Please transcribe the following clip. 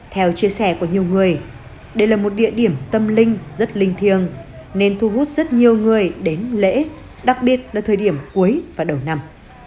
theo chia sẻ của nhiều người đây là một địa điểm tâm linh rất linh thiêng nên thu hút rất nhiều người đến lễ đặc biệt là thời điểm cuối và đầu năm